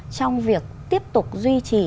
trong việc tiếp tục duy trì